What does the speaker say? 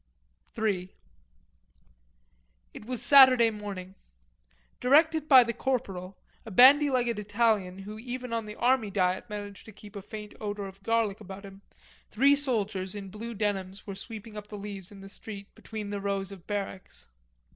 III It was Saturday morning. Directed by the corporal, a bandy legged Italian who even on the army diet managed to keep a faint odour of garlic about him, three soldiers in blue denims were sweeping up the leaves in the street between the rows of barracks.